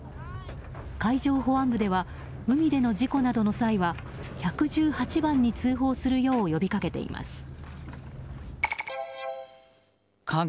海上保安部では海での事故などの際は１１８番に通報するよう呼びかけています。